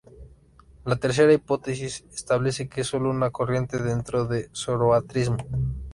La tercera hipótesis establece que es sólo una corriente dentro del zoroastrismo.